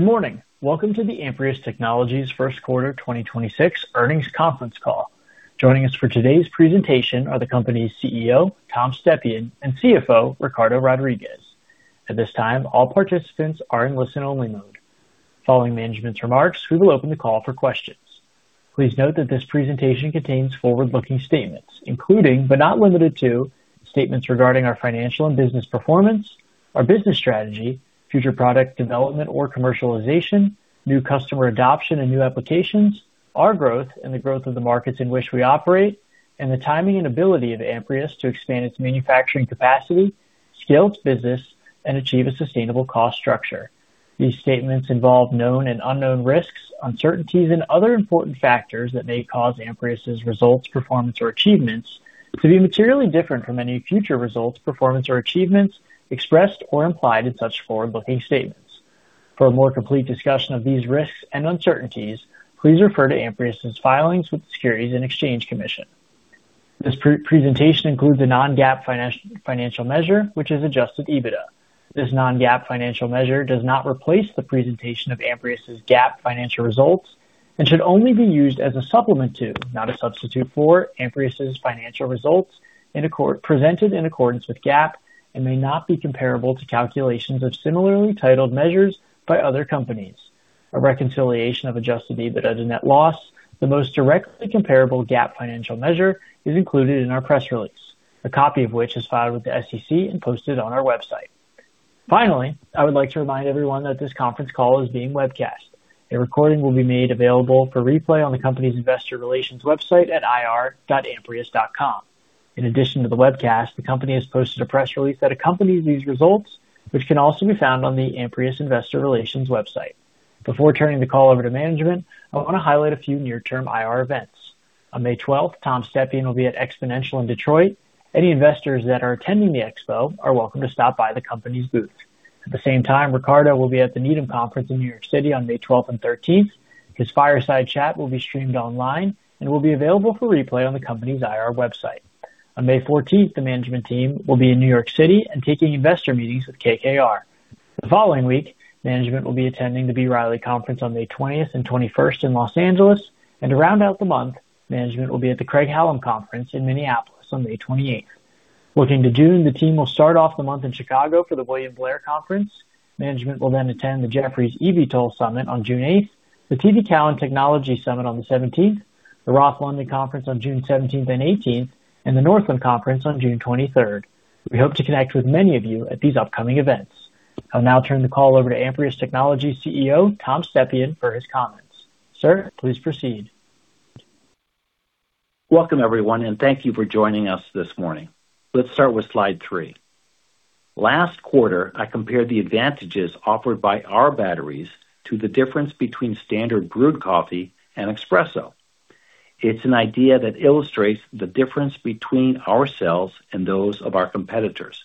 Morning. Welcome to the Amprius Technologies first quarter 2026 earnings conference call. Joining us for today's presentation are the company's CEO, Tom Stepien, and CFO, Ricardo Rodriguez. At this time, all participants are in listen-only mode. Following management's remarks, we will open the call for questions. Please note that this presentation contains forward-looking statements, including, but not limited to, statements regarding our financial and business performance, our business strategy, future product development or commercialization, new customer adoption and new applications, our growth and the growth of the markets in which we operate, and the timing and ability of Amprius to expand its manufacturing capacity, scale its business, and achieve a sustainable cost structure. These statements involve known and unknown risks, uncertainties, and other important factors that may cause Amprius' results, performance, or achievements to be materially different from any future results, performance, or achievements expressed or implied in such forward-looking statements. For a more complete discussion of these risks and uncertainties, please refer to Amprius' filings with the Securities and Exchange Commission. This pre-presentation includes a non-GAAP financial measure, which is adjusted EBITDA. This non-GAAP financial measure does not replace the presentation of Amprius' GAAP financial results and should only be used as a supplement to, not a substitute for, Amprius' financial results presented in accordance with GAAP and may not be comparable to calculations of similarly titled measures by other companies. A reconciliation of adjusted EBITDA to net loss, the most directly comparable GAAP financial measure, is included in our press release, a copy of which is filed with the SEC and posted on our website. Finally, I would like to remind everyone that this conference call is being webcast. A recording will be made available for replay on the company's investor relations website at ir.amprius.com. In addition to the webcast, the company has posted a press release that accompanies these results, which can also be found on the Amprius investor relations website. Before turning the call over to management, I want to highlight a few near-term IR events. On May 12th, Tom Stepien will be at XPONENTIAL in Detroit. Any investors that are attending the expo are welcome to stop by the company's booth. At the same time, Ricardo will be at the Needham Conference in New York City on May 12th and 13th. His fireside chat will be streamed online and will be available for replay on the company's IR website. On May 14th, the management team will be in New York City and taking investor meetings with KKR. The following week, management will be attending the B. Riley conference on May 20th and 21st in Los Angeles. To round out the month, management will be at the Craig-Hallum conference in Minneapolis on May 28th. Looking to June, the team will start off the month in Chicago for the William Blair Conference. Management will then attend the Jefferies eVTOL Summit on June 8th, the TD Cowen Technology Summit on the 17th, the Roth London Conference on June 17th and 18th, and the Northland Conference on June 23rd. We hope to connect with many of you at these upcoming events. I'll now turn the call over to Amprius Technologies CEO, Tom Stepien, for his comments. Sir, please proceed. Welcome, everyone, and thank you for joining us this morning. Let's start with slide 3. Last quarter, I compared the advantages offered by our batteries to the difference between standard brewed coffee and espresso. It's an idea that illustrates the difference between our cells and those of our competitors.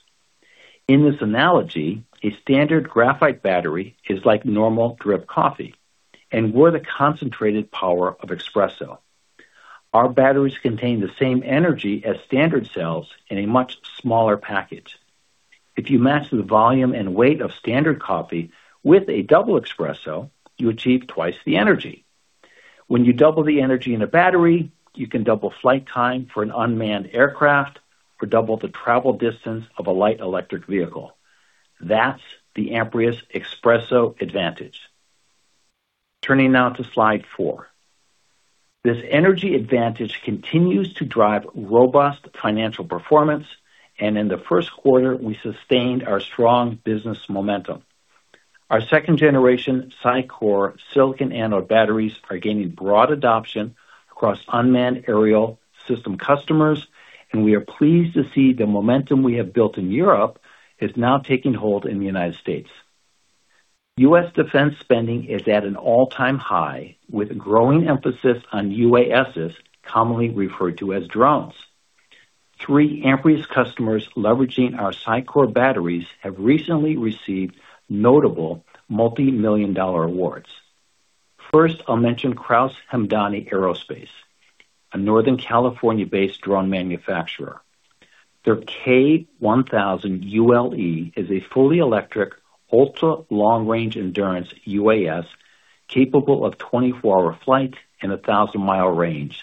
In this analogy, a standard graphite battery is like normal drip coffee, and we're the concentrated power of espresso. Our batteries contain the same energy as standard cells in a much smaller package. If you match the volume and weight of standard coffee with a double espresso, you achieve twice the energy. When you double the energy in a battery, you can double flight time for an unmanned aircraft or double the travel distance of a light electric vehicle. That's the Amprius Espresso Advantage. Turning now to slide four. This energy advantage continues to drive robust financial performance, and in the first quarter, we sustained our strong business momentum. Our second generation SiCore silicon anode batteries are gaining broad adoption across unmanned aerial system customers, and we are pleased to see the momentum we have built in Europe is now taking hold in the United States. U.S. defense spending is at an all-time high, with a growing emphasis on UASs, commonly referred to as drones. Three Amprius customers leveraging our SiCore batteries have recently received notable multi-million dollar awards. First, I'll mention Kraus Hamdani Aerospace, a Northern California-based drone manufacturer. Their K1000ULE is a fully electric, ultra-long-range endurance UAS capable of 24-hour flight and a 1,000-mile range,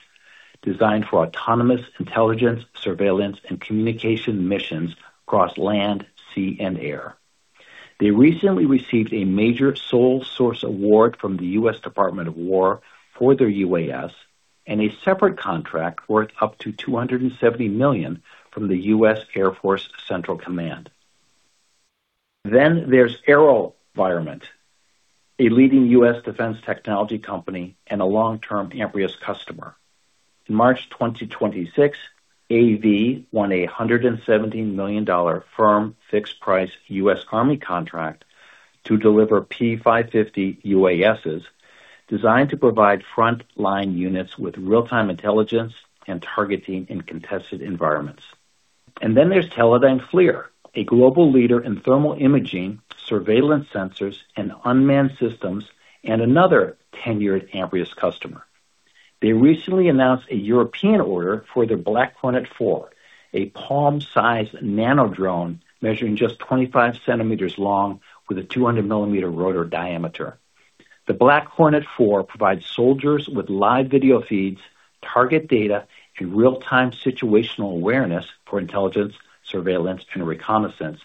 designed for autonomous intelligence, surveillance, and communication missions across land, sea, and air. They recently received a major sole source award from the US Department of War for their UAS and a separate contract worth up to $270 million from the United States Air Forces Central Command. There's AeroVironment, a leading U.S. defense technology company and a long-term Amprius customer. In March 2026, AV won a $117 million firm fixed price U.S. Army contract to deliver P550 UASs designed to provide front-line units with real-time intelligence and targeting in contested environments. There's Teledyne FLIR, a global leader in thermal imaging, surveillance sensors, and unmanned systems, and another tenured Amprius customer. They recently announced a European order for their Black Hornet 4, a palm-sized nano drone measuring just 25cm long with a 200 mm rotor diameter. The Black Hornet 4 provides soldiers with live video feeds, target data, and real-time situational awareness for intelligence, surveillance, and reconnaissance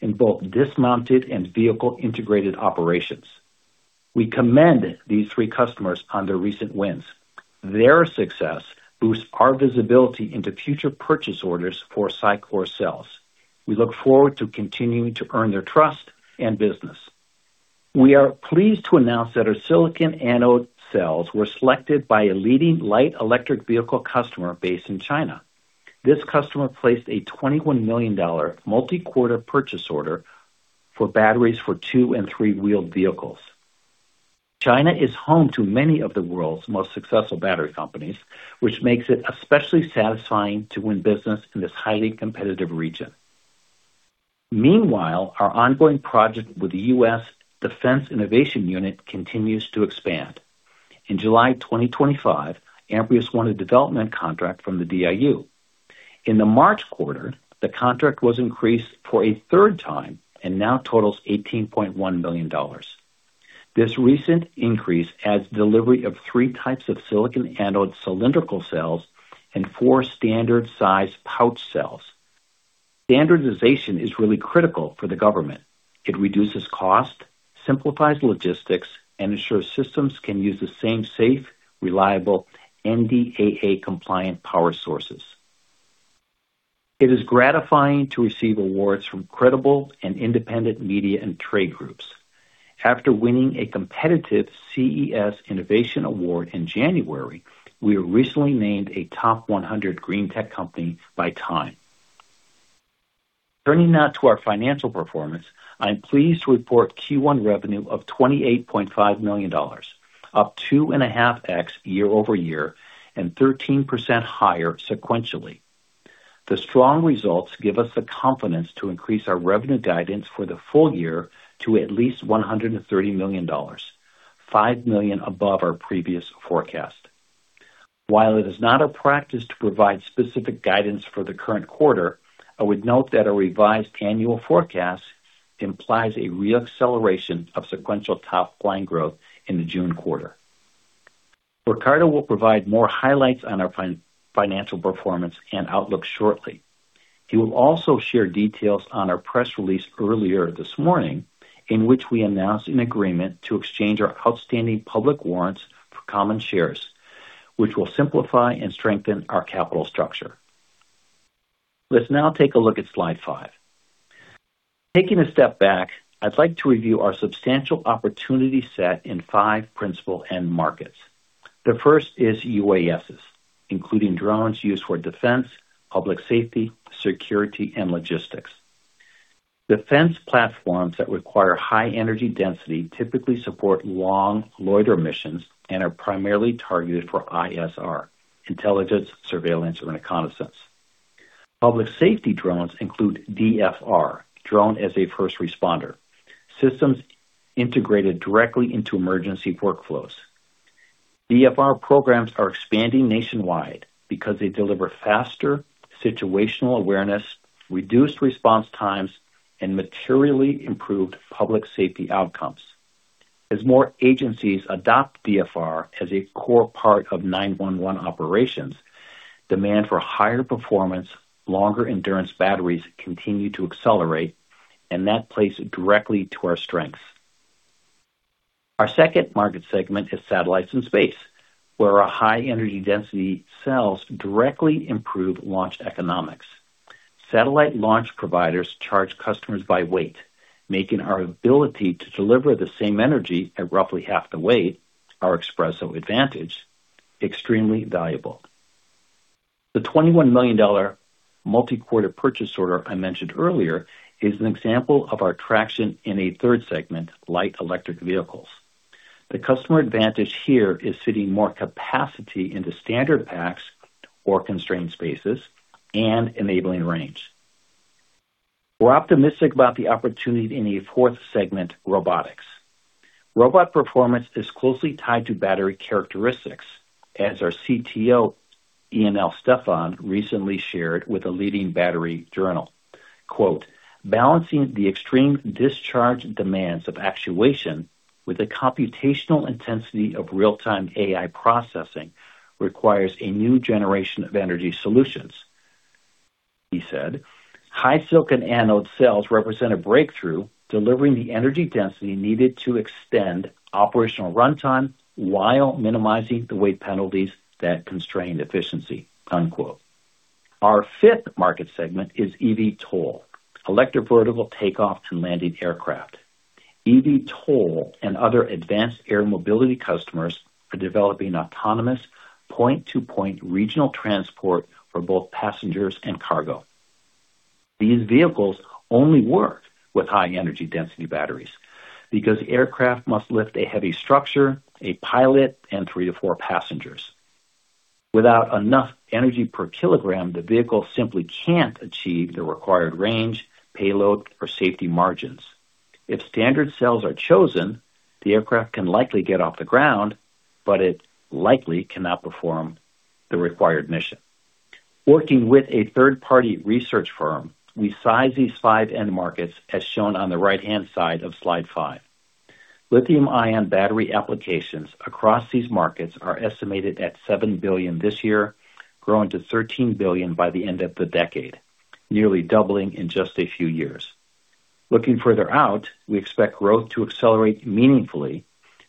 in both dismounted and vehicle-integrated operations. We commend these three customers on their recent wins. Their success boosts our visibility into future purchase orders for SiCore cells. We look forward to continuing to earn their trust and business. We are pleased to announce that our silicon anode cells were selected by a leading light electric vehicle customer based in China. This customer placed a $21 million multi-quarter purchase order for batteries for two and three-wheeled vehicles. China is home to many of the world's most successful battery companies, which makes it especially satisfying to win business in this highly competitive region. Meanwhile, our ongoing project with the U.S. Defense Innovation Unit continues to expand. In July 2025, Amprius won a development contract from the DIU. In the March quarter, the contract was increased for a third time and now totals $18.1 million. This recent increase adds delivery of three types of silicon anode cylindrical cells and four standard-size pouch cells. Standardization is really critical for the government. It reduces cost, simplifies logistics, and ensures systems can use the same safe, reliable, NDAA-compliant power sources. It is gratifying to receive awards from credible and independent media and trade groups. After winning a competitive CES Innovation Award in January, we were recently named a top 100 green tech company by Time. Turning now to our financial performance, I'm pleased to report Q1 revenue of $28.5 million, up 2.5x year-over-year and 13% higher sequentially. The strong results give us the confidence to increase our revenue guidance for the full-year to at least $130 million, $5 million above our previous forecast. While it is not our practice to provide specific guidance for the current quarter, I would note that a revised annual forecast implies a re-acceleration of sequential top-line growth in the June quarter. Ricardo will provide more highlights on our financial performance and outlook shortly. He will also share details on our press release earlier this morning, in which we announced an agreement to exchange our outstanding public warrants for common shares, which will simplify and strengthen our capital structure. Let's now take a look at slide five. Taking a step back, I'd like to review our substantial opportunity set in five principal end markets. The first is UAS's, including drones used for defense, public safety, security, and logistics. Defense platforms that require high energy density typically support long loiter missions and are primarily targeted for ISR, intelligence, surveillance, and reconnaissance. Public safety drones include DFR, drone as a first responder, systems integrated directly into emergency workflows. DFR programs are expanding nationwide because they deliver faster situational awareness, reduced response times, and materially improved public safety outcomes. As more agencies adopt DFR as a core part of 911 operations, demand for higher performance, longer endurance batteries continue to accelerate. That plays directly to our strengths. Our second market segment is satellites and space, where our high energy density cells directly improve launch economics. Satellite launch providers charge customers by weight, making our ability to deliver the same energy at roughly half the weight, our espresso advantage, extremely valuable. The $21 million multi-quarter purchase order I mentioned earlier is an example of our traction in a third segment, light electric vehicles. The customer advantage here is fitting more capacity into standard packs or constrained spaces and enabling range. We're optimistic about the opportunity in the fourth segment, robotics. Robot performance is closely tied to battery characteristics, as our CTO, Ionel Stefan, recently shared with a leading battery journal. Quote, "Balancing the extreme discharge demands of actuation with the computational intensity of real-time AI processing requires a new generation of energy solutions," he said. "High silicon anode cells represent a breakthrough, delivering the energy density needed to extend operational runtime while minimizing the weight penalties that constrain efficiency." Unquote. Our fifth market segment is eVTOL, electric vertical takeoff and landing aircraft. eVTOL and other advanced air mobility customers are developing autonomous point-to-point regional transport for both passengers and cargo. These vehicles only work with high-energy-density batteries because aircraft must lift a heavy structure, a pilot, and three to four passengers. Without enough energy per kilogram, the vehicle simply can't achieve the required range, payload, or safety margins. If standard cells are chosen, the aircraft can likely get off the ground, but it likely cannot perform the required mission. Working with a third-party research firm, we size these five end markets as shown on the right-hand side of slide five. Lithium-ion battery applications across these markets are estimated at $7 billion this year, growing to $13 billion by the end of the decade, nearly doubling in just a few years. Looking further out, we expect growth to accelerate meaningfully,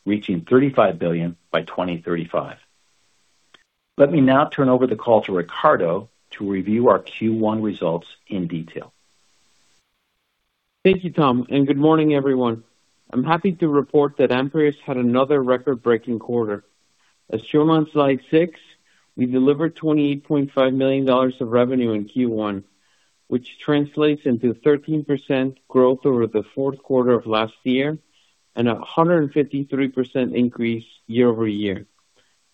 reaching $35 billion by 2035. Let me now turn over the call to Ricardo to review our Q1 results in detail. Thank you, Tom. Good morning, everyone. I'm happy to report that Amprius had another record-breaking quarter. As shown on slide six, we delivered $28.5 million of revenue in Q1, which translates into 13% growth over the fourth quarter of last year and a 153% increase year-over-year.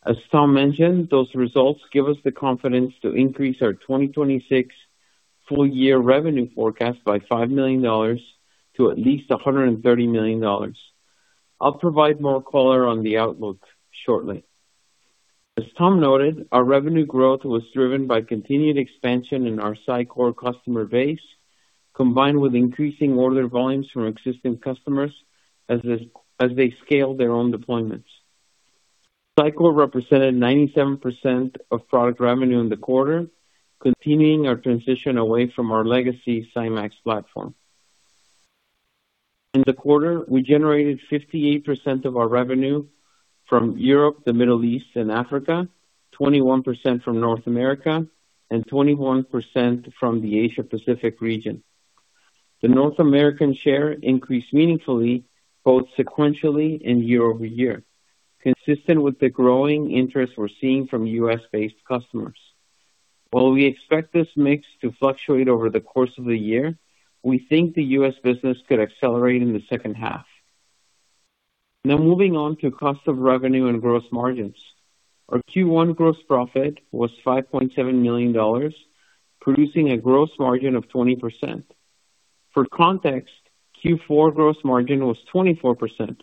As Tom mentioned, those results give us the confidence to increase our 2026 full-year revenue forecast by $5 million to at least $130 million. I'll provide more color on the outlook shortly. As Tom noted, our revenue growth was driven by continued expansion in our SiCore customer base, combined with increasing order volumes from existing customers as they scale their own deployments. SiCore represented 97% of product revenue in the quarter, continuing our transition away from our legacy SiMaxx platform. In the quarter, we generated 58% of our revenue from Europe, the Middle East, and Africa, 21% from North America, and 21% from the Asia Pacific region. The North American share increased meaningfully, both sequentially and year-over-year, consistent with the growing interest we're seeing from U.S.-based customers. While we expect this mix to fluctuate over the course of the year, we think the U.S. business could accelerate in the second half. Now moving on to cost of revenue and gross margins. Our Q1 gross profit was $5.7 million, producing a gross margin of 20%. For context, Q4 gross margin was 24%.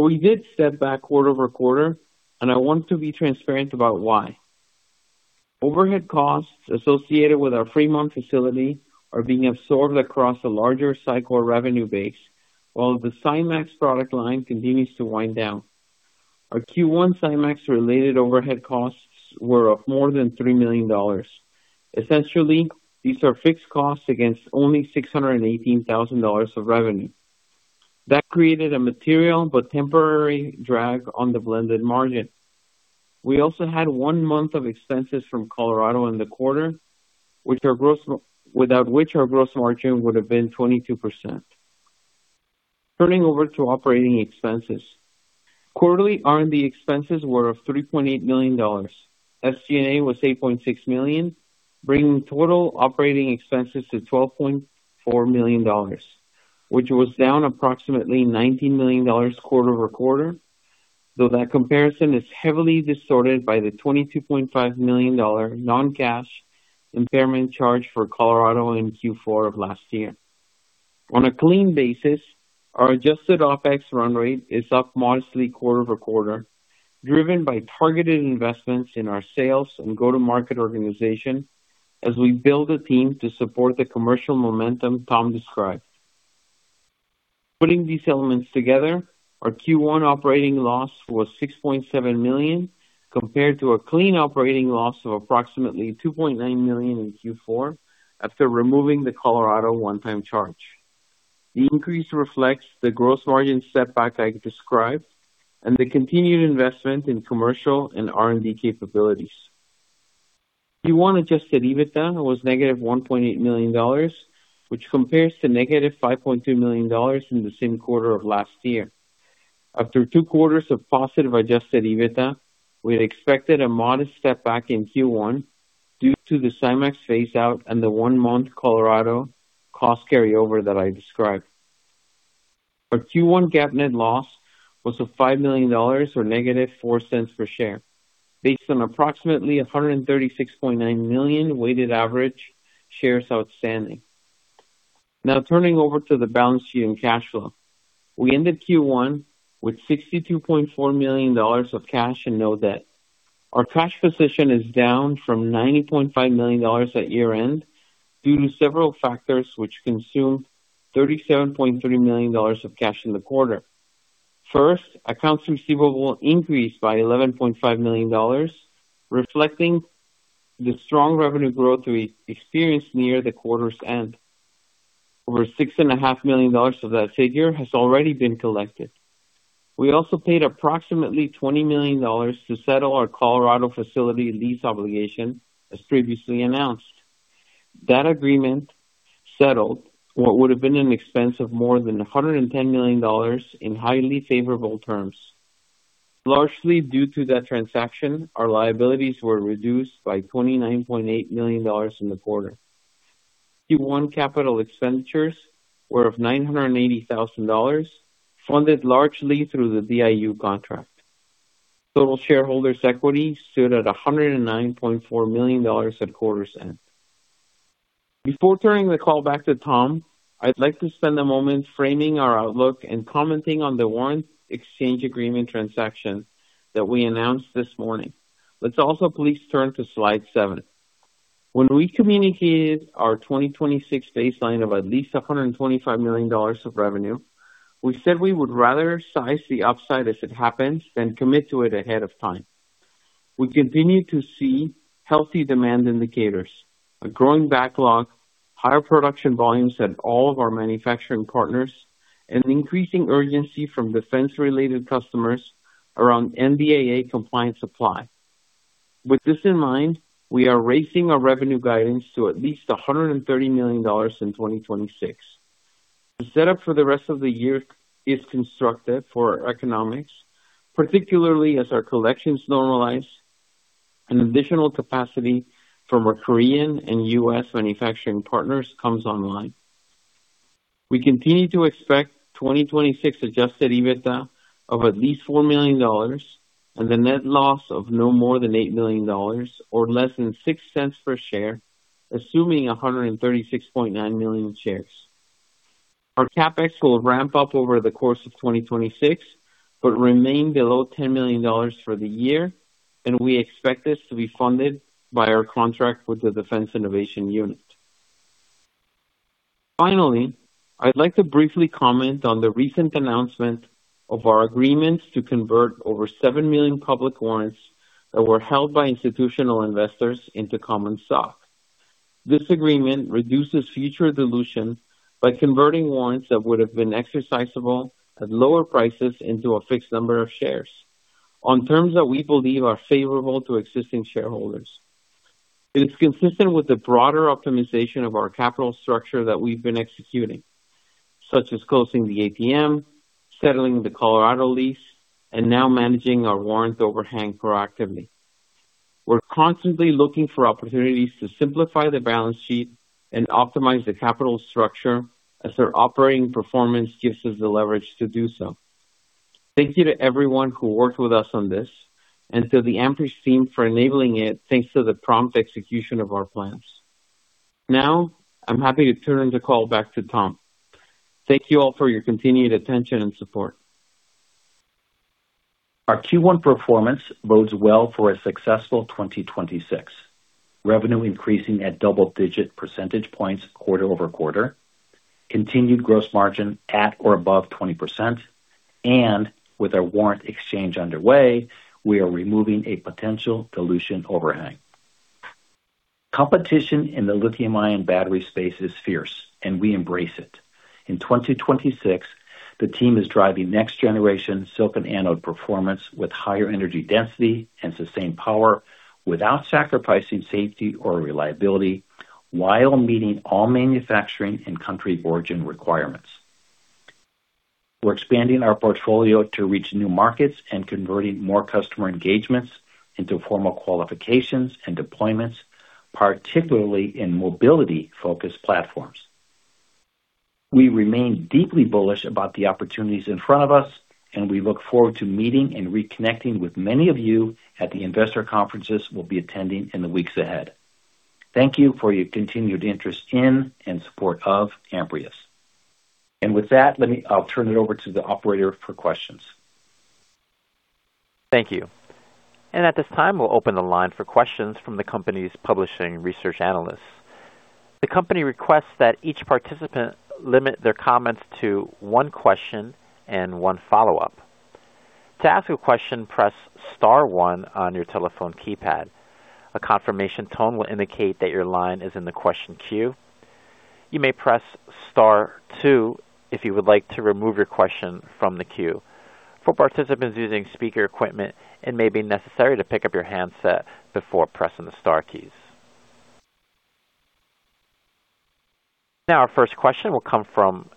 We did step back quarter-over-quarter, and I want to be transparent about why. Overhead costs associated with our Fremont facility are being absorbed across a larger SiCore revenue base, while the SiMaxx product line continues to wind down. Our Q1 SiMaxx related overhead costs were of more than $3 million. Essentially, these are fixed costs against only $618,000 of revenue. That created a material but temporary drag on the blended margin. We also had one month of expenses from Colorado in the quarter, without which our gross margin would have been 22%. Turning over to operating expenses. Quarterly R&D expenses were of $3.8 million. SG&A was $8.6 million, bringing total operating expenses to $12.4 million, which was down approximately $19 million quarter-over-quarter, though that comparison is heavily distorted by the $22.5 million non-cash impairment charge for Colorado in Q4 of last year. On a clean basis, our adjusted OpEx run rate is up modestly quarter-over-quarter, driven by targeted investments in our sales and go-to-market organization as we build a team to support the commercial momentum Tom described. Putting these elements together, our Q1 operating loss was $6.7 million, compared to a clean operating loss of approximately $2.9 million in Q4 after removing the Colorado one-time charge. The increase reflects the gross margin setback I described and the continued investment in commercial and R&D capabilities. Q1 adjusted EBITDA was -$1.8 million, which compares to -$5.2 million in the same quarter of last year. After two quarters of positive adjusted EBITDA, we had expected a modest step back in Q1 due to the SiMaxx phase out and the one month Colorado cost carryover that I described. Our Q1 GAAP net loss was of $5 million or -$0.04 per share, based on approximately 136.9 million weighted average shares outstanding. Now turning over to the balance sheet and cash flow. We ended Q1 with $62.4 million of cash and no debt. Our cash position is down from $90.5 million at year-end due to several factors which consumed $37.3 million of cash in the quarter. First, accounts receivable increased by $11.5 million, reflecting the strong revenue growth we experienced near the quarter's end. Over $6.5 million of that figure has already been collected. We also paid approximately $20 million to settle our Colorado facility lease obligation, as previously announced. That agreement settled what would have been an expense of more than $110 million in highly favorable terms. Largely due to that transaction, our liabilities were reduced by $29.8 million in the quarter. Q1 capital expenditures were of $980,000, funded largely through the DIU contract. Total shareholders' equity stood at $109.4 million at quarter's end. Before turning the call back to Tom, I'd like to spend a moment framing our outlook and commenting on the warrant exchange agreement transaction that we announced this morning. Let's also please turn to slide seven. When we communicated our 2026 baseline of at least $125 million of revenue, we said we would rather size the upside as it happens than commit to it ahead of time. We continue to see healthy demand indicators, a growing backlog, higher production volumes at all of our manufacturing partners, and increasing urgency from defense-related customers around NDAA compliant supply. With this in mind, we are raising our revenue guidance to at least $130 million in 2026. The setup for the rest of the year is constructive for our economics, particularly as our collections normalize and additional capacity from our Korean and U.S. manufacturing partners comes online. We continue to expect 2026 adjusted EBITDA of at least $4 million and a net loss of no more than $8 million or less than $0.06 per share, assuming 136.9 million shares. Our CapEx will ramp up over the course of 2026, but remain below $10 million for the year, and we expect this to be funded by our contract with the Defense Innovation Unit. Finally, I'd like to briefly comment on the recent announcement of our agreement to convert over 7 million public warrants that were held by institutional investors into common stock. This agreement reduces future dilution by converting warrants that would have been exercisable at lower prices into a fixed number of shares on terms that we believe are favorable to existing shareholders. It is consistent with the broader optimization of our capital structure that we've been executing, such as closing the ATM, settling the Colorado lease, and now managing our warrant overhang proactively. We're constantly looking for opportunities to simplify the balance sheet and optimize the capital structure as our operating performance gives us the leverage to do so. Thank you to everyone who worked with us on this and to the Amprius team for enabling it, thanks to the prompt execution of our plans. Now I'm happy to turn the call back to Tom. Thank you all for your continued attention and support. Our Q1 performance bodes well for a successful 2026. Revenue increasing at double-digit percentage points quarter-over-quarter, continued gross margin at or above 20%, with our warrant exchange underway, we are removing a potential dilution overhang. Competition in the lithium-ion battery space is fierce. We embrace it. In 2026, the team is driving next-generation silicon anode performance with higher energy density and sustained power without sacrificing safety or reliability, while meeting all manufacturing and country origin requirements. We're expanding our portfolio to reach new markets and converting more customer engagements into formal qualifications and deployments, particularly in mobility-focused platforms. We remain deeply bullish about the opportunities in front of us. We look forward to meeting and reconnecting with many of you at the investor conferences we'll be attending in the weeks ahead. Thank you for your continued interest in and support of Amprius. With that, I'll turn it over to the operator for questions. Thank you. At this time, we'll open the line for questions from the company's publishing research analysts. The company requests that each participant limit their comments to one question and one follow-up. To ask a question, press star one on your telephone keypad. A confirmation tone will indicate that your line is in the question queue. You may press star two if you would like to remove your question from the queue. For participants using speaker equipment, it may be necessary to pick up your handset before pressing the star keys. Our first question will come from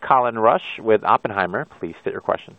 Colin Rusch with Oppenheimer. Please state your question.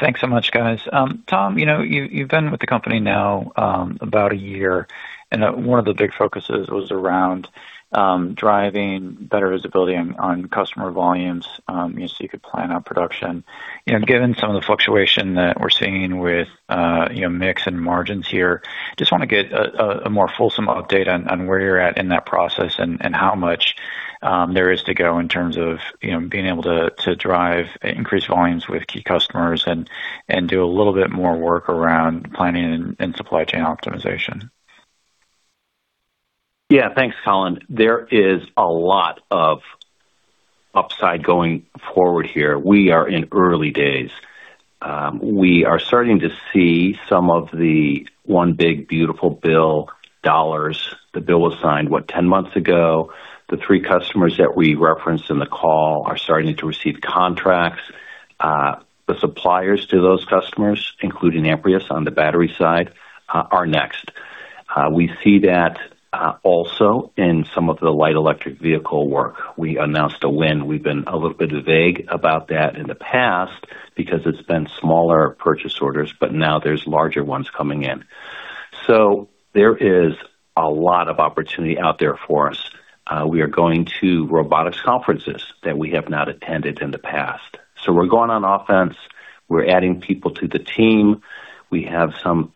Thanks so much, guys. Tom, you know, you've been with the company now, about a year, and one of the big focuses was around driving better visibility on customer volumes, so you could plan out production. You know, given some of the fluctuation that we're seeing with, you know, mix and margins here, just wanna get a more fulsome update on where you're at in that process and how much there is to go in terms of, you know, being able to drive increased volumes with key customers and do a little bit more work around planning and supply chain optimization. Thanks, Colin. There is a lot of upside going forward here. We are in early days. We are starting to see some of the One Big Beautiful Bill dollars. The bill was signed, what, 10 months ago. The three customers that we referenced in the call are starting to receive contracts. The suppliers to those customers, including Amprius on the battery side, are next. We see that also in some of the light electric vehicle work. We announced a win. We've been a little bit vague about that in the past because it's been smaller purchase orders, but now there's larger ones coming in. There is a lot of opportunity out there for us. We are going to robotics conferences that we have not attended in the past. We're going on offense. We're adding people to the team. We have some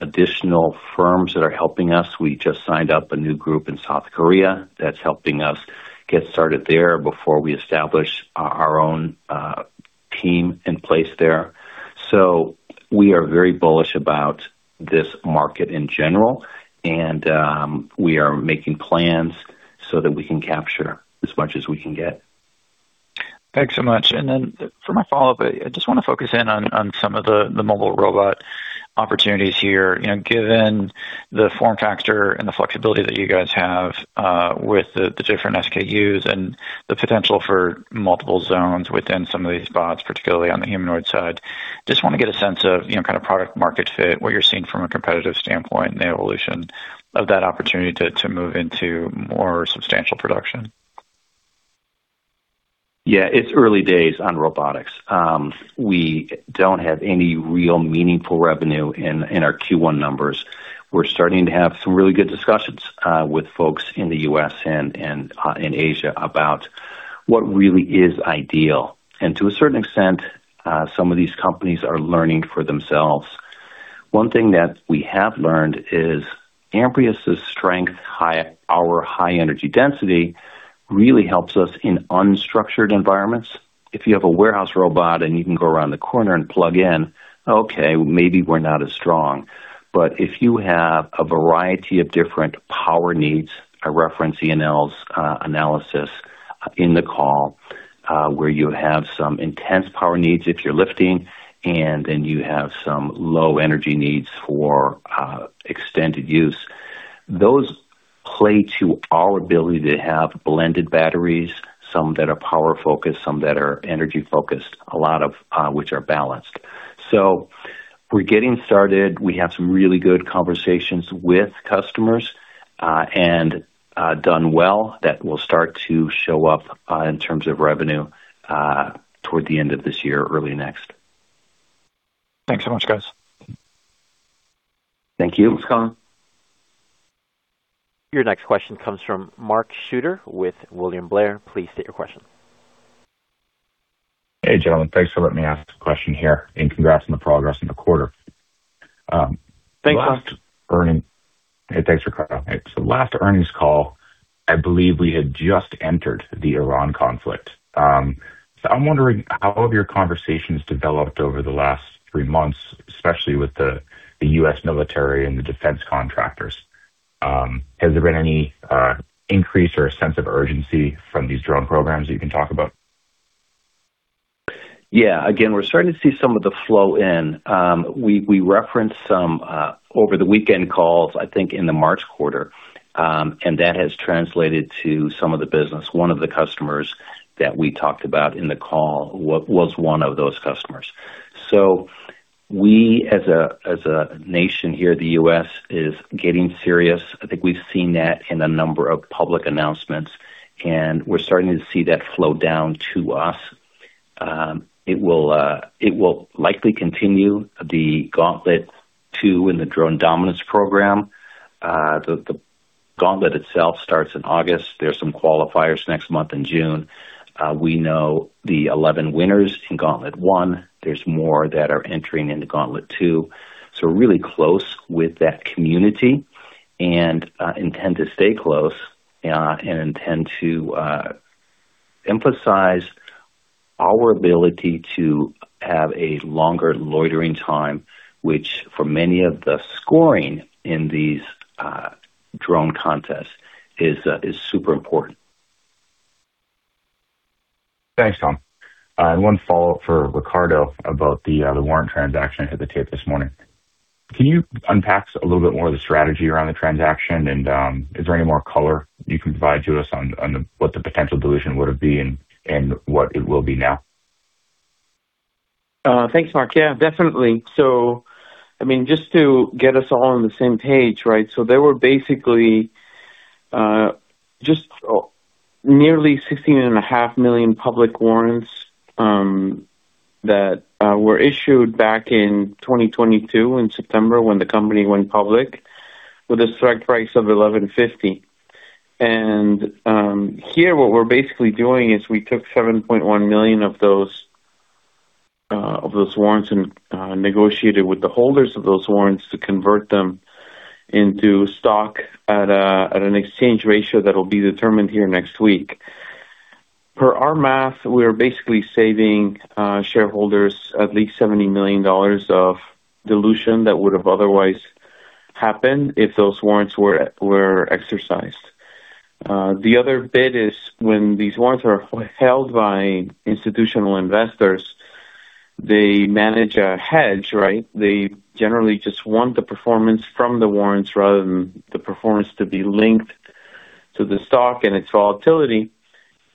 additional firms that are helping us. We just signed up a new group in South Korea that's helping us get started there before we establish our own team in place there. We are very bullish about this market in general, and we are making plans so that we can capture as much as we can get. Thanks so much. For my follow-up, I just wanna focus in on some of the mobile robot opportunities here. You know, given the form factor and the flexibility that you guys have with the different SKUs and the potential for multiple zones within some of these bots, particularly on the humanoid side, just wanna get a sense of, you know, kinda product market fit, what you're seeing from a competitive standpoint and the evolution of that opportunity to move into more substantial production. Yeah, it's early days on robotics. We don't have any real meaningful revenue in our Q1 numbers. We're starting to have some really good discussions with folks in the U.S. and in Asia about what really is ideal. To a certain extent, some of these companies are learning for themselves. One thing that we have learned is Amprius' strength, our high energy density really helps us in unstructured environments. If you have a warehouse robot and you can go around the corner and plug in, okay, maybe we're not as strong. If you have a variety of different power needs, I reference Ionel's analysis in the call, where you have some intense power needs if you're lifting, and then you have some low energy needs for extended use. Those play to our ability to have blended batteries, some that are power-focused, some that are energy-focused, a lot of which are balanced. We're getting started. We have some really good conversations with customers, and done well that will start to show up in terms of revenue toward the end of this year, early next. Thanks so much, guys. Thank you. Thanks, Colin. Your next question comes from Mark Shooter with William Blair. Please state your question. Hey, gentlemen. Thanks for letting me ask a question here, and congrats on the progress in the quarter. Thanks, Mark. Hey, thanks, Ricardo. Last earnings call, I believe we had just entered the Iran conflict. I'm wondering, how have your conversations developed over the last three months, especially with the U.S. military and the defense contractors? Has there been any increase or a sense of urgency from these drone programs that you can talk about? Yeah. Again, we're starting to see some of the flow in. We, we referenced some over the weekend calls, I think, in the March quarter, and that has translated to some of the business. One of the customers that we talked about in the call was one of those customers. We, as a, as a nation here, the U.S. is getting serious. I think we've seen that in a number of public announcements, and we're starting to see that flow down to us. It will, it will likely continue the Gauntlet II and the Drone Dominance program. The Gauntlet itself starts in August. There's some qualifiers next month in June. We know the 11 winners in Gauntlet I. There's more that are entering into Gauntlet II. We're really close with that community and intend to stay close and intend to emphasize our ability to have a longer loitering time, which for many of the scoring in these drone contests is super important. Thanks, Tom. One follow-up for Ricardo about the warrant transaction at the tape this morning. Can you unpack a little bit more of the strategy around the transaction? Is there any more color you can provide to us on the what the potential dilution would have been and what it will be now? Thanks, Mark. Yeah, definitely. I mean, just to get us all on the same page, right? There were basically just nearly 16.5 million public warrants that were issued back in 2022 in September when the company went public with a strike price of $11.50. Here what we're basically doing is we took 7.1 million of those of those warrants and negotiated with the holders of those warrants to convert them into stock at an exchange ratio that'll be determined here next week. Per our math, we are basically saving shareholders at least $70 million of dilution that would've otherwise happened if those warrants were exercised. The other bit is when these warrants are held by institutional investors, they manage a hedge, right? They generally just want the performance from the warrants rather than the performance to be linked to the stock and its volatility.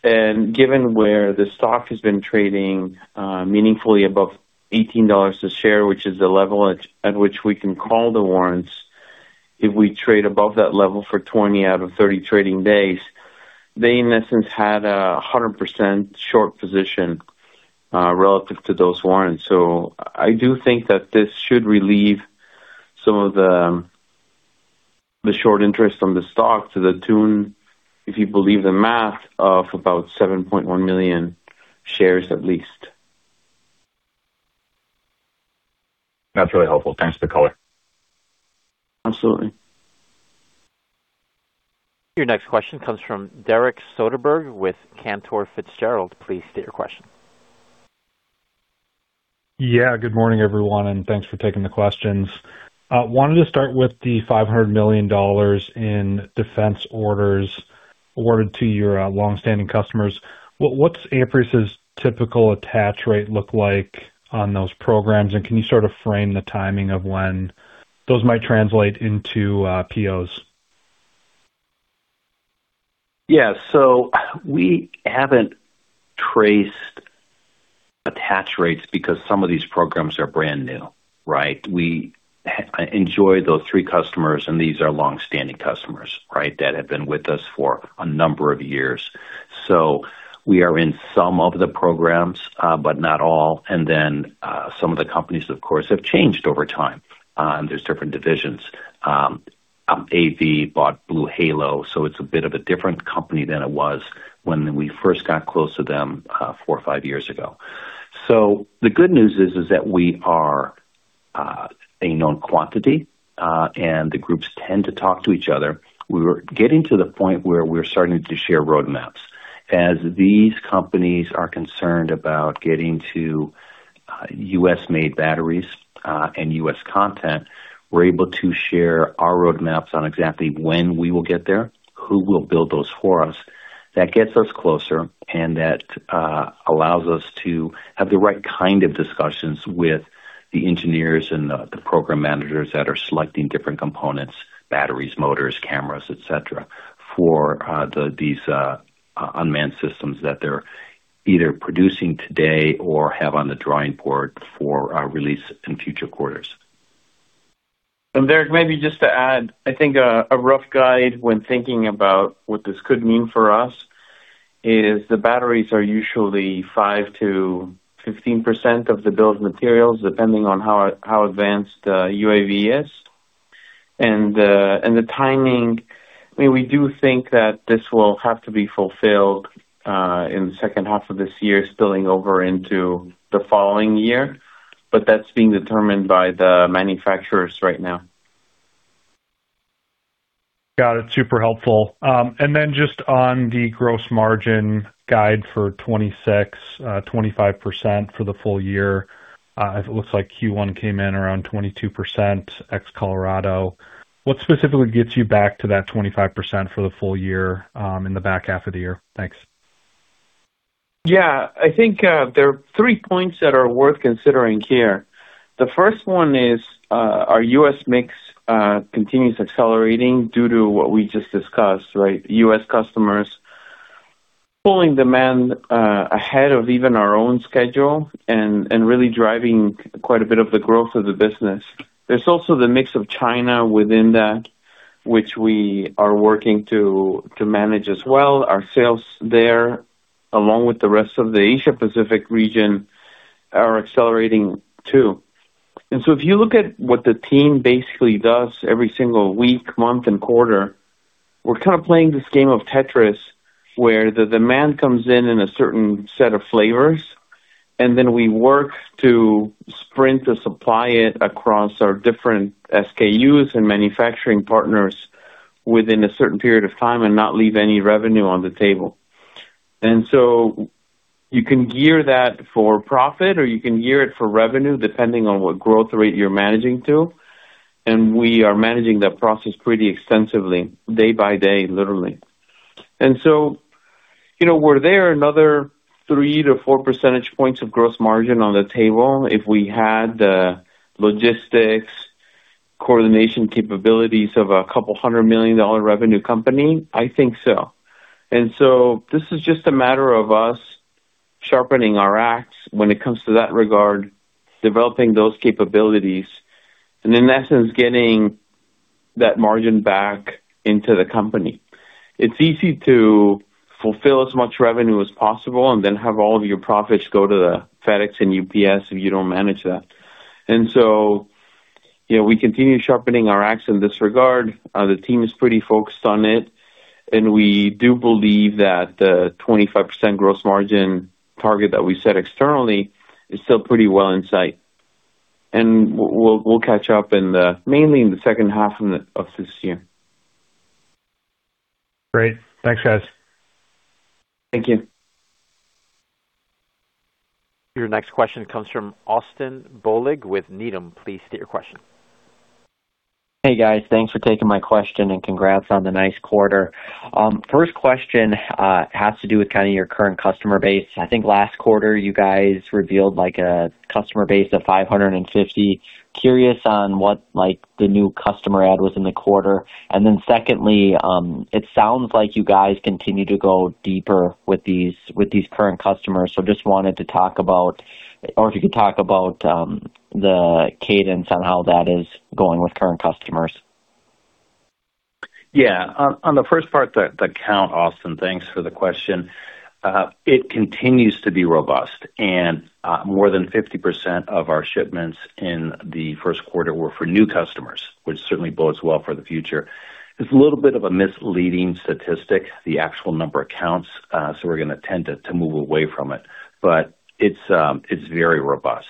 Given where the stock has been trading, meaningfully above $18 a share, which is the level at which we can call the warrants, if we trade above that level for 20 out of 30 trading days. They, in essence, had a 100% short position, relative to those warrants. I do think that this should relieve some of the short interest on the stock to the tune, if you believe the math, of about 7.1 million shares at least. That's really helpful. Thanks for the color. Absolutely. Your next question comes from Derek Soderberg with Cantor Fitzgerald. Please state your question. Yeah. Good morning, everyone, thanks for taking the questions. Wanted to start with the $500 million in defense orders awarded to your long-standing customers. What's Amprius' typical attach rate look like on those programs? Can you sort of frame the timing of when those might translate into POs? We haven't traced attach rates because some of these programs are brand new, right? We enjoy those three customers, and these are long-standing customers, right? That have been with us for a number of years. We are in some of the programs, but not all. Some of the companies, of course, have changed over time, and there's different divisions. AV bought BlueHalo, so it's a bit of a different company than it was when we first got close to them four or five years ago. The good news is that we are a known quantity, and the groups tend to talk to each other. We're getting to the point where we're starting to share roadmaps. As these companies are concerned about getting to U.S.-made batteries and U.S. content, we're able to share our roadmaps on exactly when we will get there, who will build those for us. That gets us closer, and that allows us to have the right kind of discussions with the engineers and the program managers that are selecting different components, batteries, motors, cameras, et cetera, for these unmanned systems that they're either producing today or have on the drawing board for release in future quarters. Derek, maybe just to add, I think a rough guide when thinking about what this could mean for us is the batteries are usually 5%-15% of the bill of materials, depending on how advanced UAV is. The timing, I mean, we do think that this will have to be fulfilled in the second half of this year, spilling over into the following year, but that's being determined by the manufacturers right now. Got it. Super helpful. Just on the gross margin guide for 25% for the full-year. It looks like Q1 came in around 22% ex Colorado. What specifically gets you back to that 25% for the full year in the back half of the year? Thanks. Yeah. I think there are three points that are worth considering here. The first one is our U.S. mix continues accelerating due to what we just discussed, right? U.S. customers pulling demand ahead of even our own schedule and really driving quite a bit of the growth of the business. There's also the mix of China within that, which we are working to manage as well. Our sales there, along with the rest of the Asia Pacific region, are accelerating too. If you look at what the team basically does every single week, month and quarter, we're kind of playing this game of Tetris, where the demand comes in in a certain set of flavors, and then we work to sprint the supply it across our different SKUs and manufacturing partners within a certain period of time and not leave any revenue on the table. You can gear that for profit or you can gear it for revenue depending on what growth rate you're managing to. We are managing that process pretty extensively day by day, literally. You know, were there another 3 to 4 percentage points of gross margin on the table if we had the logistics coordination capabilities of a couple hundred million dollar revenue company? I think so. This is just a matter of us sharpening our axe when it comes to that regard, developing those capabilities, and in essence, getting that margin back into the company. It's easy to fulfill as much revenue as possible and then have all of your profits go to the FedEx and UPS if you don't manage that. you know, we continue sharpening our axe in this regard. The team is pretty focused on it, and we do believe that the 25% gross margin target that we set externally is still pretty well in sight. we'll catch up mainly in the second half of this year. Great. Thanks, guys. Thank you. Your next question comes from Austin Bolig with Needham. Please state your question. Hey, guys. Thanks for taking my question and congrats on the nice quarter. First question, kind of has to do with your current customer base. I think last quarter you guys revealed like a customer base of 550. Curious on what like the new customer add was in the quarter. Secondly, it sounds like you guys continue to go deeper with these current customers. If you could talk about the cadence on how that is going with current customers. Yeah. On the first part, the count, Austin, thanks for the question. It continues to be robust and more than 50% of our shipments in the first quarter were for new customers, which certainly bodes well for the future. It's a little bit of a misleading statistic, the actual number of counts, so we're gonna tend to move away from it. It's very robust.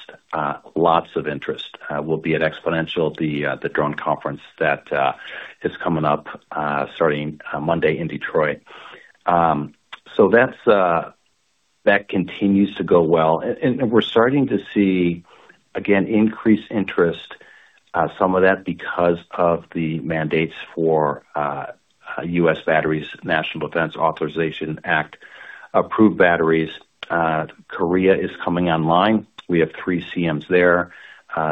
Lots of interest. We'll be at XPONENTIAL, the drone conference that is coming up, starting Monday in Detroit. That's that continues to go well. We're starting to see, again, increased interest, some of that because of the mandates for U.S. batteries, National Defense Authorization Act approved batteries. Korea is coming online. We have three CMs there.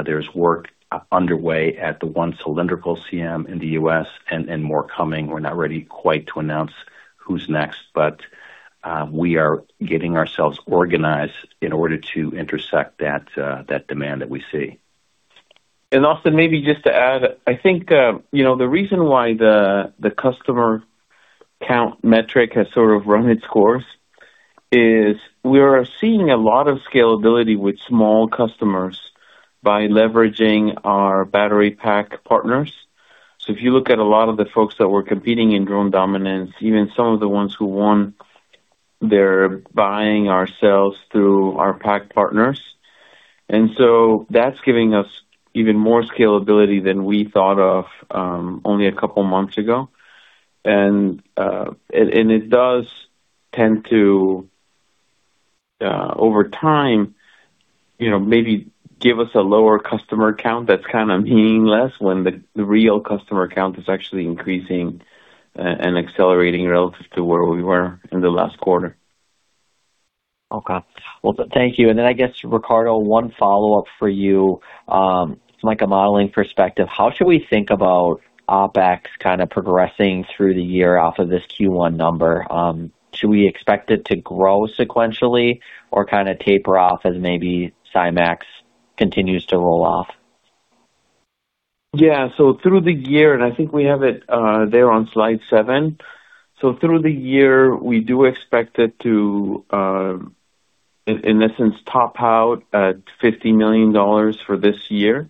There's work underway at the 1 cylindrical CM in the U.S. and more coming. We're not ready quite to announce who's next, but we are getting ourselves organized in order to intersect that demand that we see. Austin, maybe just to add, I think, you know, the reason why the customer count metric has sort of run its course is we are seeing a lot of scalability with small customers by leveraging our battery pack partners. If you look at a lot of the folks that were competing in Drone Dominance, even some of the ones who won, they're buying our cells through our pack partners. That's giving us even more scalability than we thought of only a couple months ago. It does tend to over time, you know, maybe give us a lower customer count that's kind of meaningless when the real customer count is actually increasing and accelerating relative to where we were in the last quarter. Well, thank you. Then I guess, Ricardo, one follow-up for you. From like a modeling perspective, how should we think about OpEx kind of progressing through the year off of this Q1 number? Should we expect it to grow sequentially or kind of taper off as maybe SiMaxx continues to roll off? Yeah. Through the year, and I think we have it there on slide seven. Through the year, we do expect it to, in essence, top out at $50 million for this year.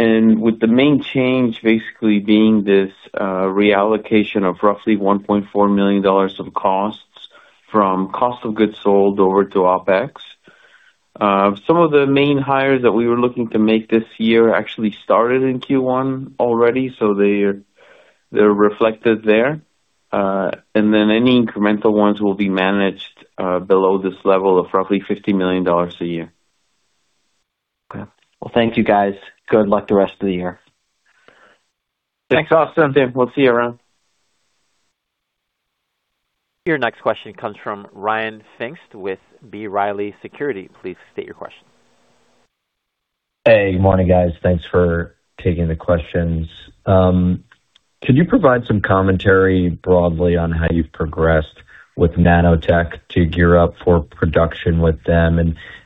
With the main change basically being this reallocation of roughly $1.4 million of costs from cost of goods sold over to OpEx. Some of the main hires that we were looking to make this year actually started in Q1 already, so they're reflected there. Then any incremental ones will be managed below this level of roughly $50 million a year. Okay. Well, thank you, guys. Good luck the rest of the year. Thanks, Austin. We'll see you around. Your next question comes from Ryan Pfingst with B. Riley Securities. Please state your question. Hey. Good morning, guys. Thanks for taking the questions. Could you provide some commentary broadly on how you've progressed with nanotech to gear up for production with them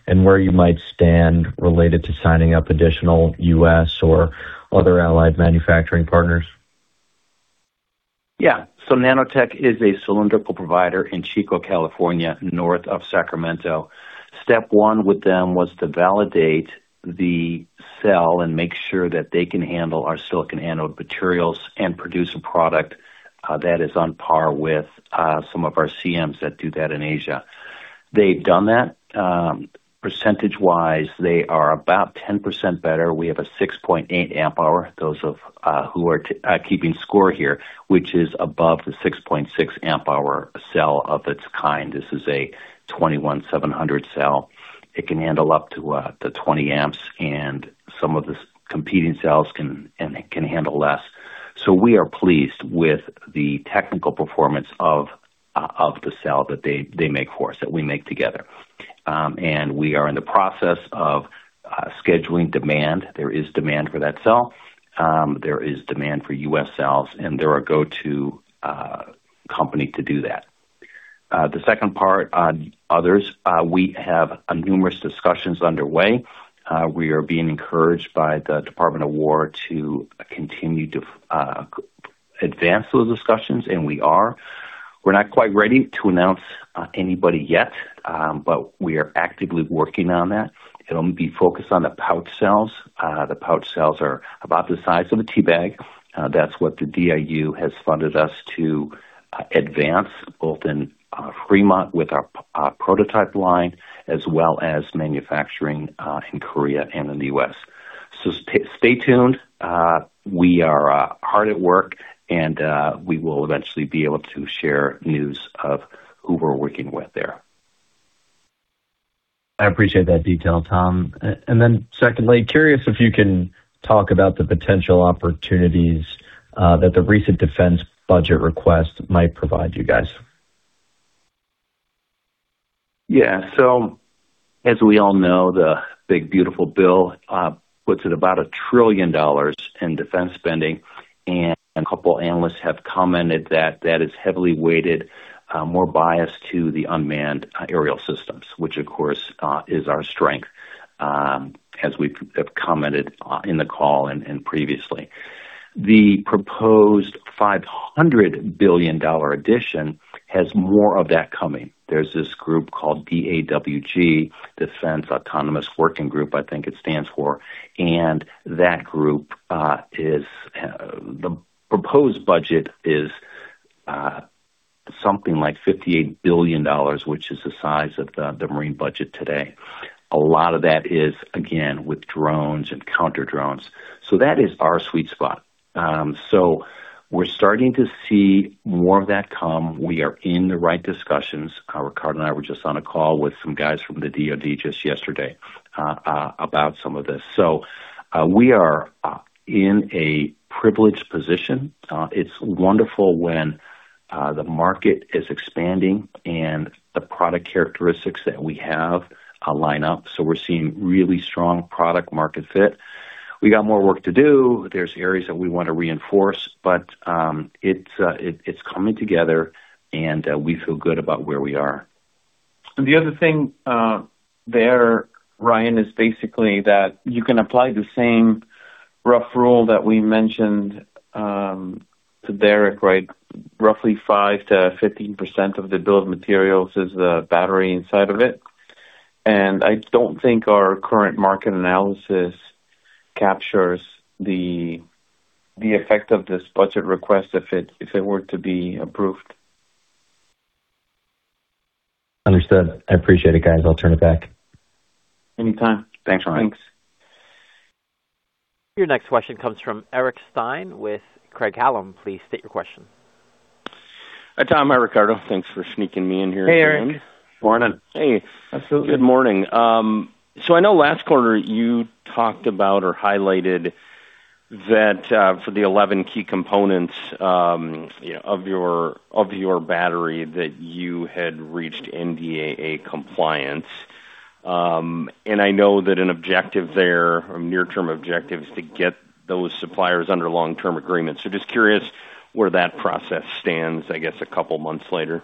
and where you might stand related to signing up additional U.S. or other allied manufacturing partners? Nanotech is a cylindrical provider in Chico, California, north of Sacramento. Step one with them was to validate the cell and make sure that they can handle our silicon anode materials and produce a product that is on par with some of our CMs that do that in Asia. They've done that. Percentage-wise, they are about 10% better. We have a 6.8Ah, those of who are keeping score here, which is above the 6.6Ah cell of its kind. This is a 21700 cell. It can handle up to 20 amps, and some of the competing cells can handle less. We are pleased with the technical performance of the cell that they make for us, that we make together. We are in the process of scheduling demand. There is demand for that cell. There is demand for U.S. cells, and they're our go-to company to do that. The second part on others, we have numerous discussions underway. We are being encouraged by the Department of War to continue to advance those discussions, and we are. We're not quite ready to announce anybody yet, but we are actively working on that. It'll be focused on the pouch cells. The pouch cells are about the size of a teabag. That's what the DIU has funded us to advance, both in Fremont with our prototype line, as well as manufacturing in Korea and in the U.S. Stay tuned. We are hard at work, and we will eventually be able to share news of who we're working with there. I appreciate that detail, Tom. Secondly, curious if you can talk about the potential opportunities that the recent defense budget request might provide you guys. As we all know, the Big Beautiful Bill puts it about a trillion dollars in defense spending. A couple analysts have commented that that is heavily weighted, more biased to the unmanned aerial systems, which of course, is our strength, as we have commented in the call and previously. The proposed $500 billion addition has more of that coming. There's this group called DAWG, Defense Autonomous Working Group, I think it stands for. That group, the proposed budget is something like $58 billion, which is the size of the Marine budget today. A lot of that is again with drones and counter drones. That is our sweet spot. We're starting to see more of that come. We are in the right discussions. Ricardo and I were just on a call with some guys from the DoD just yesterday about some of this. We are in a privileged position. It's wonderful when the market is expanding and the product characteristics that we have line up, so we're seeing really strong product market fit. We got more work to do. There's areas that we want to reinforce, but it's coming together and we feel good about where we are. The other thing there, Ryan, is basically that you can apply the same rough rule that we mentioned to Derek, right? Roughly 5%-15% of the bill of materials is the battery inside of it. I don't think our current market analysis captures the effect of this budget request if it were to be approved. Understood. I appreciate it, guys. I'll turn it back. Anytime. Thanks, Ryan. Thanks. Your next question comes from Eric Stine with Craig-Hallum. Please state your question. Hi, Tom. Hi, Ricardo. Thanks for sneaking me in here again. Hey, Eric. Morning. Hey. Absolutely. Good morning. I know last quarter you talked about or highlighted that, for the 11 key components, of your battery that you had reached NDAA compliance. I know that an objective there, a near-term objective, is to get those suppliers under long-term agreements. Just curious where that process stands, I guess, a couple months later.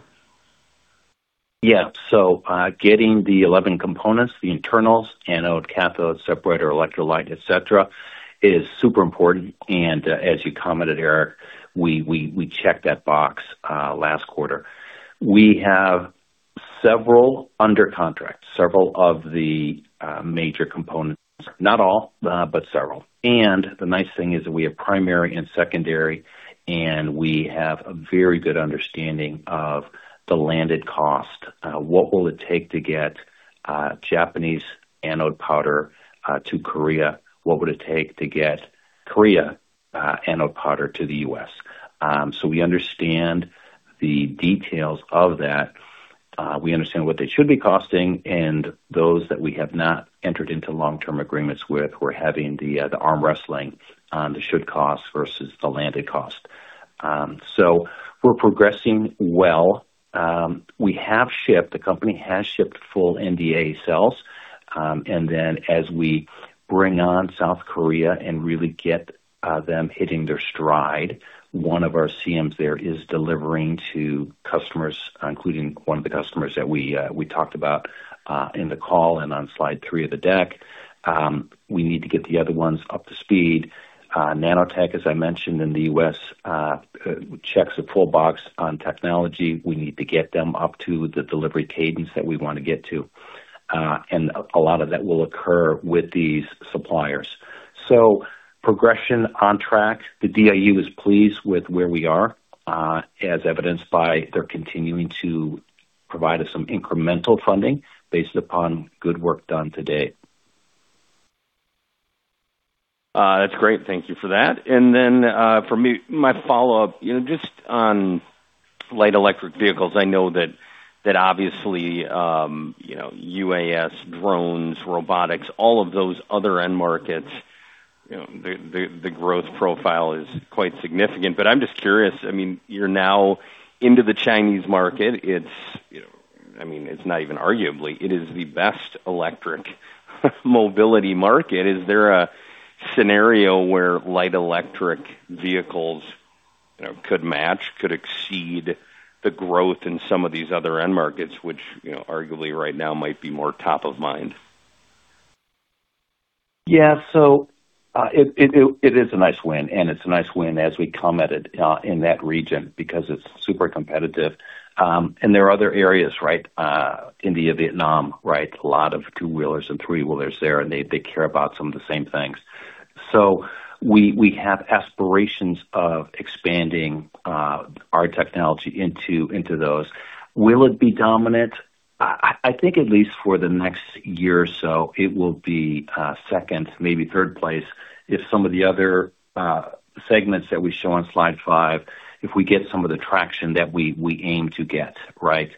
Getting the 11 components, the internals, anode, cathode, separator, electrolyte, et cetera, is super important. As you commented, Eric, we checked that box last quarter. We have several under contract, several of the major components. Not all, but several. The nice thing is that we have primary and secondary, and we have a very good understanding of the landed cost. What will it take to get Japanese anode powder to Korea? What would it take to get Korea anode powder to the U.S.? We understand the details of that. We understand what they should be costing and those that we have not entered into long-term agreements with. We're having the arm wrestling on the should cost versus the landed cost. We're progressing well. We have shipped, the company has shipped full NDA cells. As we bring on South Korea and really get them hitting their stride, one of our CMs there is delivering to customers, including one of the customers that we talked about in the call and on slide three of the deck. We need to get the other ones up to speed. Nanotech, as I mentioned, in the U.S., checks a full box on technology. We need to get them up to the delivery cadence that we wanna get to. A lot of that will occur with these suppliers. Progression on track. The DIU is pleased with where we are, as evidenced by their continuing to provide us some incremental funding based upon good work done to date. That's great. Thank you for that. Then, for me, my follow-up, you know, just on light electric vehicles. I know that obviously, you know, UAS, drones, robotics, all of those other end markets, you know, the growth profile is quite significant. I'm just curious, I mean, you're now into the Chinese market. It's, you know, I mean, it's not even arguably, it is the best electric mobility market. Is there a scenario where light electric vehicles, you know, could match, could exceed the growth in some of these other end markets, which, you know, arguably right now might be more top of mind? It is a nice win, and it's a nice win as we come at it in that region because it's super competitive. There are other areas, right? India, Vietnam, right? A lot of two-wheelers and three-wheelers there, and they care about some of the same things. We have aspirations of expanding our technology into those. Will it be dominant? I think at least for the next year or so, it will be second, maybe third place if some of the other segments that we show on slide five, if we get some of the traction that we aim to get, right?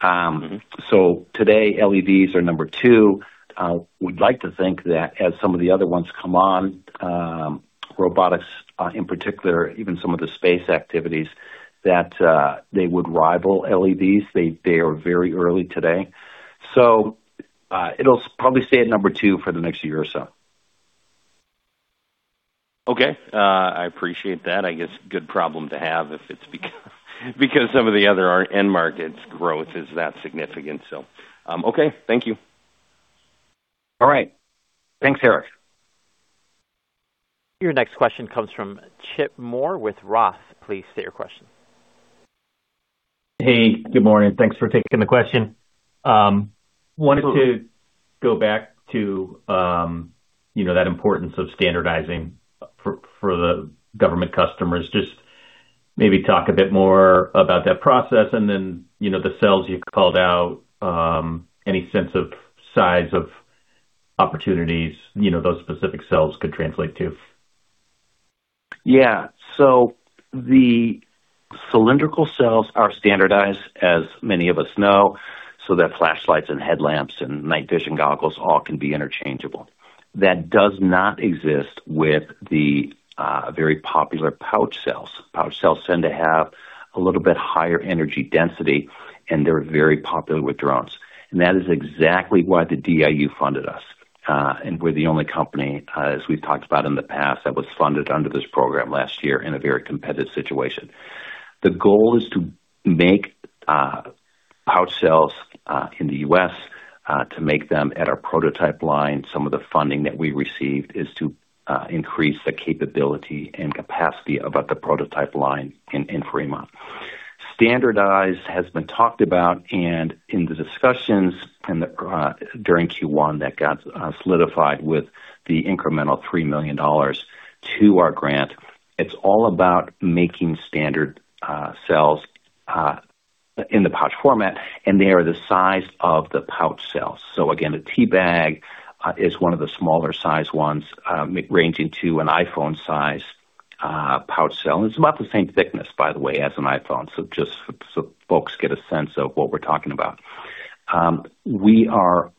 Today, LEVs are number two. We'd like to think that as some of the other ones come on, robotics, in particular, even some of the space activities, that they would rival LEVs. They are very early today. It'll probably stay at number two for the next year or so. Okay. I appreciate that. I guess good problem to have if it's because some of the other end markets growth is that significant. Okay. Thank you. All right. Thanks, Eric. Your next question comes from Chip Moore with Roth. Please state your question. Hey, good morning. Thanks for taking the question. wanted to go back to, you know, that importance of standardizing for the government customers. Just maybe talk a bit more about that process and then, you know, the cells you called out, any sense of size of opportunities, you know, those specific cells could translate to. Yeah. The cylindrical cells are standardized, as many of us know, so that flashlights and headlamps and night vision goggles all can be interchangeable. That does not exist with the very popular pouch cells. Pouch cells tend to have a little bit higher energy density, and they're very popular with drones. That is exactly why the DIU funded us. We're the only company, as we've talked about in the past, that was funded under this program last year in a very competitive situation. The goal is to make pouch cells in the U.S. to make them at our prototype line. Some of the funding that we received is to increase the capability and capacity of the prototype line in Fremont. Standardized has been talked about and in the discussions and during Q1 that got solidified with the incremental $3 million to our grant. It's all about making standard cells in the pouch format, and they are the size of the pouch cells. Again, a teabag is one of the smaller sized ones, ranging to an iPhone size pouch cell. It's about the same thickness, by the way, as an iPhone. Just so folks get a sense of what we're talking about. We are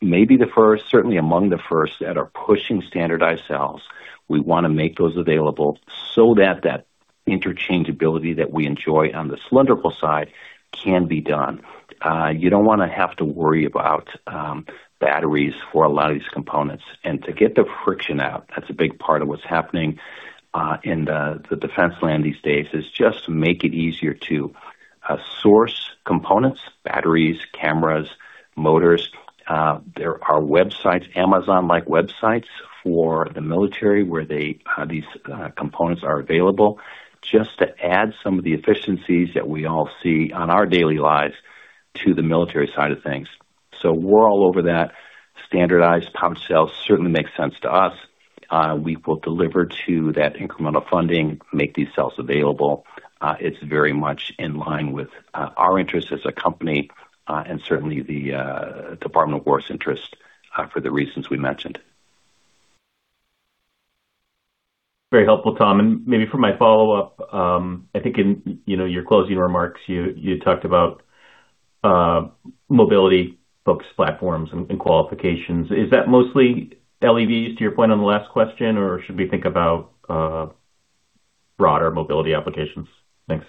maybe the first, certainly among the first that are pushing standardized cells. We wanna make those available so that that interchangeability that we enjoy on the cylindrical side can be done. You don't wanna have to worry about batteries for a lot of these components. To get the friction out, that's a big part of what's happening in the defense land these days, is just to make it easier to source components, batteries, cameras, motors. There are websites, Amazon-like websites for the military, where these components are available, just to add some of the efficiencies that we all see on our daily lives to the military side of things. We're all over that. Standardized pouch cells certainly makes sense to us. We will deliver to that incremental funding, make these cells available. It's very much in line with our interest as a company, and certainly the Department of War's interest, for the reasons we mentioned. Very helpful, Tom. Maybe for my follow-up, I think in, you know, your closing remarks, you talked about mobility folks, platforms, and qualifications. Is that mostly LEVs, to your point on the last question, or should we think about broader mobility applications? Thanks.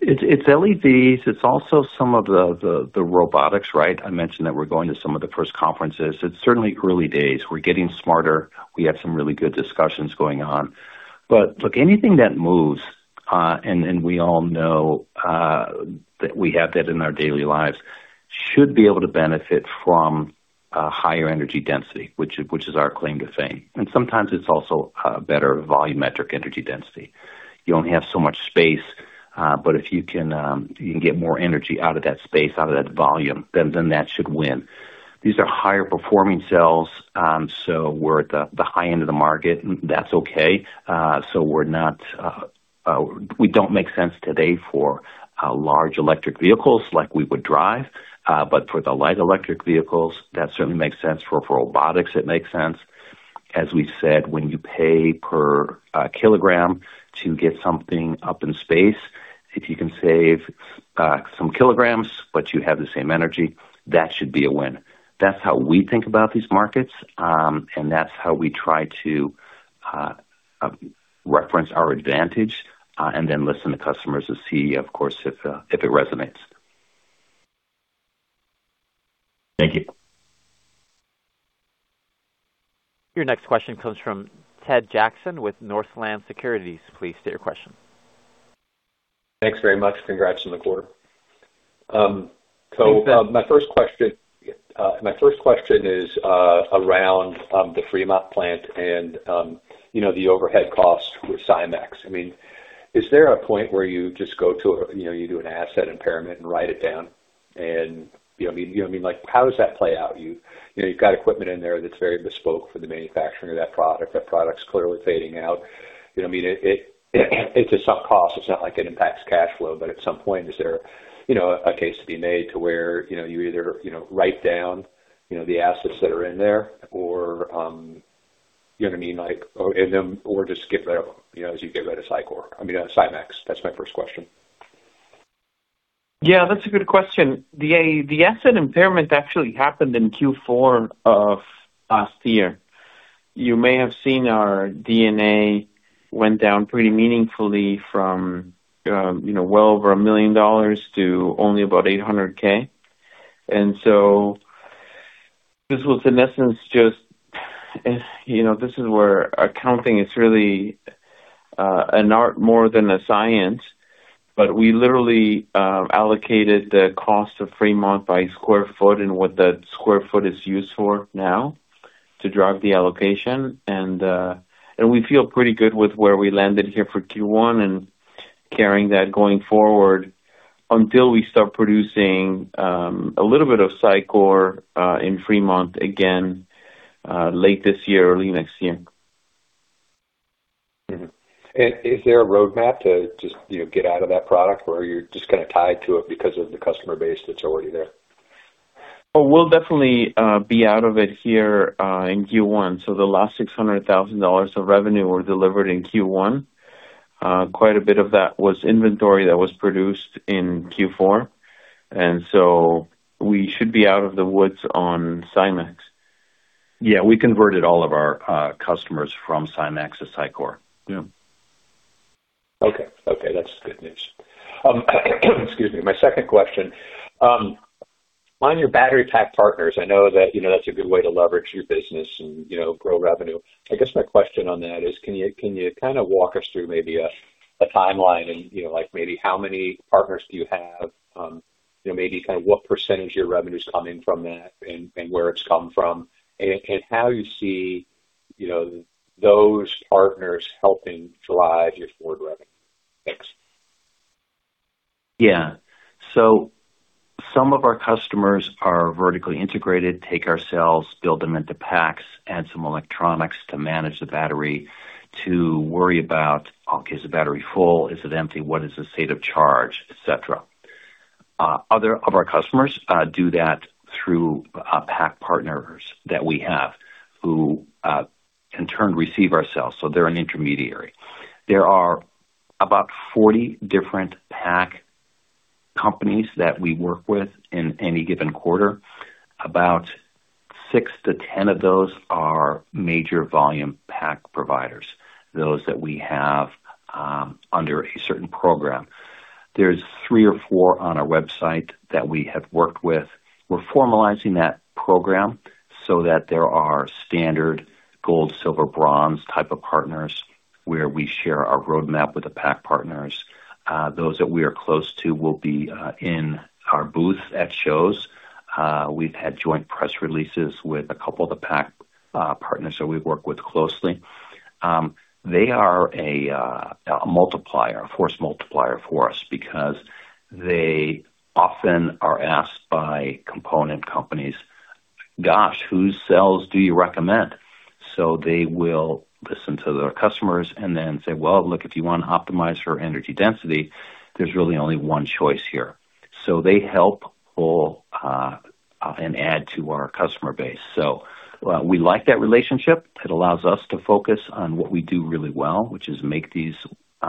It's LEVs. It's also some of the robotics, right? I mentioned that we're going to some of the first conferences. It's certainly early days. We're getting smarter. We have some really good discussions going on. Look, anything that moves, and we all know that we have that in our daily lives, should be able to benefit from a higher energy density, which is our claim to fame. Sometimes it's also a better volumetric energy density. You only have so much space, but if you can get more energy out of that space, out of that volume, then that should win. These are higher performing cells, so we're at the high-end of the market. That's okay. We don't make sense today for large electric vehicles like we would drive, but for the light electric vehicles, that certainly makes sense. For robotics, it makes sense. As we said, when you pay per kilogram to get something up in space, if you can save some kilograms, but you have the same energy, that should be a win. That's how we think about these markets, and that's how we try to reference our advantage, and then listen to customers to see, of course, if it resonates. Thank you. Your next question comes from Ted Jackson with Northland Securities. Please state your question. Thanks very much. Congrats on the quarter. My first question is around the Fremont plant and, you know, the overhead costs with SiMaxx. I mean, is there a point where you just go to a, you know, you do an asset impairment and write it down and, you know what I mean? You know what I mean? Like, how does that play out? You know, you've got equipment in there that's very bespoke for the manufacturing of that product. That product's clearly fading out. You know what I mean? It's a sunk cost. It's not like it impacts cash flow. At some point, is there, you know, a case to be made to where, you know, you either, you know, write down, you know, the assets that are in there or, you know what I mean, like, or, and then, or just get rid of them, you know, as you get rid of SiMaxx. That's my first question. Yeah, that's a good question. The asset impairment actually happened in Q4 of last year. You may have seen our D&A went down pretty meaningfully from, you know, well over a million dollars to only about $800K. This was in essence just, you know, this is where accounting is really an art more than a science. We literally allocated the cost of Fremont by square foot and what that square foot is used for now to drive the allocation. We feel pretty good with where we landed here for Q1 and carrying that going forward until we start producing a little bit of SiCore in Fremont again late this year, early next year. Mm-hmm. Is there a roadmap to just, you know, get out of that product or are you just kind of tied to it because of the customer base that's already there? We'll definitely be out of it here in Q1. The last $600,000 of revenue were delivered in Q1. Quite a bit of that was inventory that was produced in Q4. We should be out of the woods on SiMaxx. Yeah, we converted all of our customers from SiMaxx to SiCore. Yeah. Okay. Okay, that's good news. Excuse me. My second question. On your battery pack partners, I know that, you know, that's a good way to leverage your business and, you know, grow revenue. I guess my question on that is can you kind of walk us through maybe a timeline and, you know, like maybe how many partners do you have? You know, maybe kind of what percentage of your revenue is coming from that and where it's come from, and how you see, you know, those partners helping drive your forward revenue. Thanks. Some of our customers are vertically integrated, take our cells, build them into packs, add some electronics to manage the battery, to worry about, okay, is the battery full? Is it empty? What is the state of charge, et cetera. Other of our customers do that through pack partners that we have who in turn receive our cells. They're an intermediary. There are about 40 different pack companies that we work with in any given quarter. About six to 10 of those are major volume pack providers, those that we have under a certain program. There are three or four on our website that we have worked with. We're formalizing that program so that there are standard gold, silver, bronze type of partners where we share our roadmap with the pack partners. Those that we are close to will be in our booth at shows. We've had joint press releases with a couple of the pack partners that we work with closely. They are a multiplier, a force multiplier for us because they often are asked by component companies, "Gosh, whose cells do you recommend?" They will listen to their customers and then say, "Well, look, if you want to optimize for energy density, there's really only one choice here." They help pull and add to our customer base. We like that relationship. It allows us to focus on what we do really well, which is make these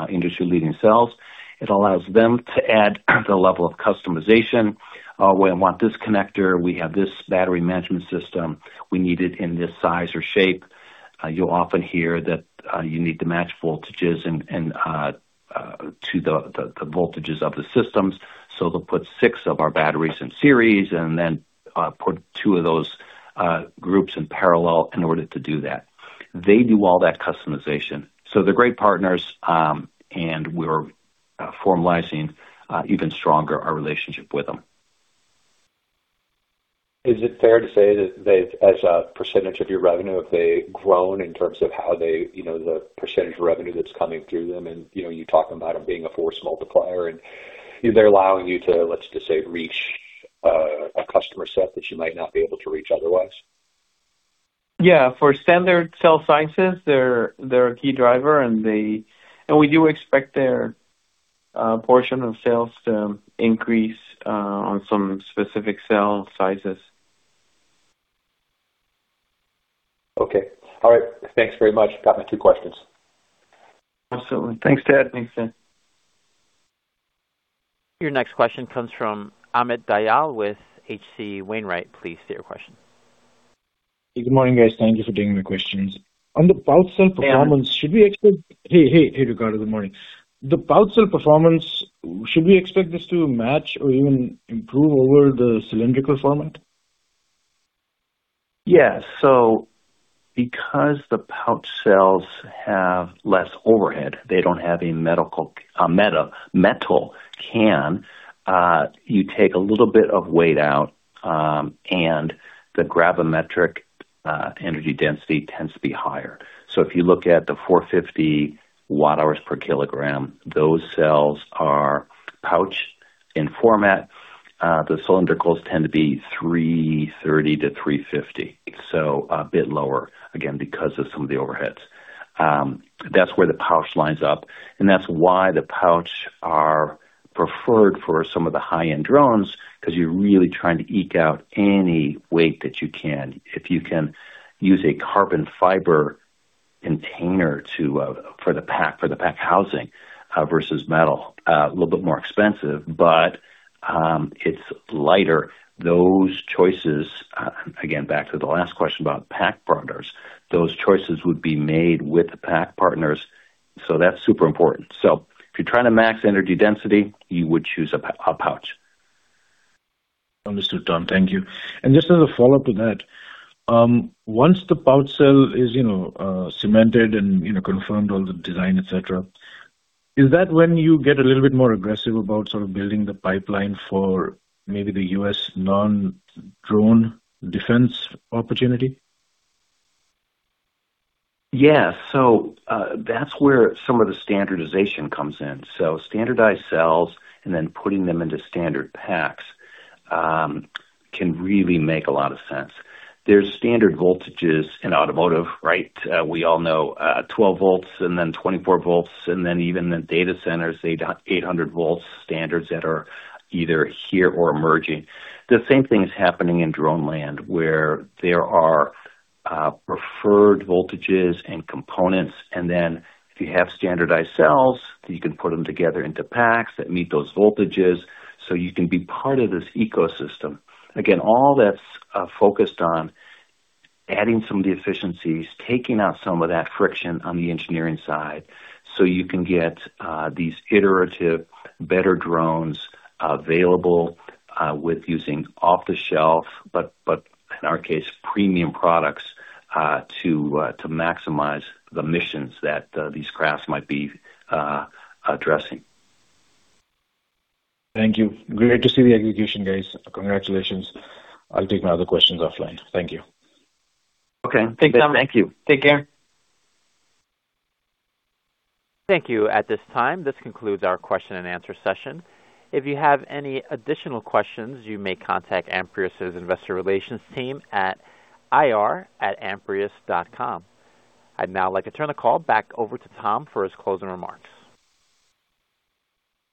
industry-leading cells. It allows them to add the level of customization. We want this connector, we have this battery management system. We need it in this size or shape. You'll often hear that you need to match voltages and to the voltages of the systems. They'll put six of our batteries in series and then put two of those groups in parallel in order to do that. They do all that customization. They're great partners, and we're formalizing even stronger our relationship with them. Is it fair to say that they've, as a percentage of your revenue, have they grown in terms of how they, you know, the percentage of revenue that's coming through them and, you know, you talk about them being a force multiplier and they're allowing you to, let's just say, reach a customer set that you might not be able to reach otherwise? Yeah. For standard cell sizes, they're a key driver, and we do expect their portion of sales to increase on some specific cell sizes. Okay. All right. Thanks very much. Got my two questions. Absolutely. Thanks, Ted. Thanks, Ted. Your next question comes from Amit Dayal with H.C. Wainwright. Please state your question. Good morning, guys. Thank you for taking the questions. On the pouch cell performance. Hey Amit. Hey, hey, Ricardo. Good morning. The pouch cell performance, should we expect this to match or even improve over the cylindrical format? Because the pouch cells have less overhead, they don't have a metal can, you take a little bit of weight out, and the gravimetric energy density tends to be higher. If you look at the 450 Wh/kg, those cells are pouch in format. The cylindricals tend to be 330-350, so a bit lower, again, because of some of the overheads. That's where the pouch lines up, and that's why the pouch are preferred for some of the high-end drones because you're really trying to eke out any weight that you can. If you can use a carbon fiber container for the pack housing versus metal, a little bit more expensive, but it's lighter. Those choices, again, back to the last question about pack partners, those choices would be made with the pack partners. That's super important. If you're trying to max energy density, you would choose a pouch. Understood, Tom. Thank you. Just as a follow-up to that, once the pouch cell is, you know, cemented and, you know, confirmed all the design, et cetera, is that when you get a little bit more aggressive about sort of building the pipeline for maybe the U.S. non-drone defense opportunity? Yeah. That's where some of the standardization comes in. Standardized cells and then putting them into standard packs can really make a lot of sense. There's standard voltages in automotive, right? We all know 12 volts and then 24 volts, and then even the data centers, they've got 800 volts standards that are either here or emerging. The same thing is happening in drone land, where there are preferred voltages and components. If you have standardized cells, you can put them together into packs that meet those voltages, so you can be part of this ecosystem. All that's focused on adding some of the efficiencies, taking out some of that friction on the engineering side, so you can get these iterative better drones available with using off-the-shelf, but in our case, premium products to maximize the missions that these crafts might be addressing. Thank you. Great to see the execution, guys. Congratulations. I'll take my other questions offline. Thank you. Okay. Thanks, Tom. Thank you. Take care. Thank you. At this time, this concludes our question and answer session. If you have any additional questions, you may contact Amprius' investor relations team at ir@amprius.com. I'd now like to turn the call back over to Tom for his closing remarks.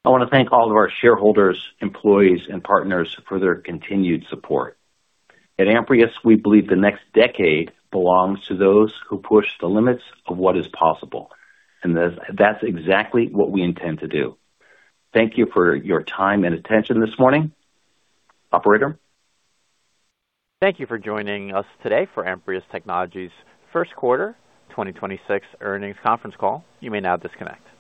I wanna thank all of our shareholders, employees, and partners for their continued support. At Amprius, we believe the next decade belongs to those who push the limits of what is possible, and that's exactly what we intend to do. Thank you for your time and attention this morning. Operator. Thank you for joining us today for Amprius Technologies' First Quarter 2026 Earnings Conference Call. You may now disconnect.